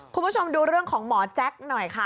คุณผู้ชมดูเรื่องของหมอแจ๊คหน่อยค่ะ